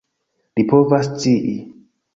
Li povas scii.